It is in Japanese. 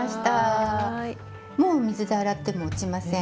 もう水で洗っても落ちません。